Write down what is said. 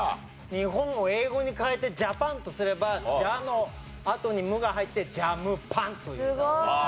「日本」を英語に変えて「ジャパン」とすれば「ジャ」のあとに「む」が入って「ジャムパン」という。